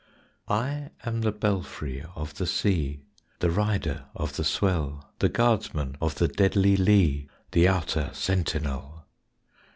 I am the Belfry of the Sea, The rider of the swell, The guardsman of the deadly lee, The outer sentinel.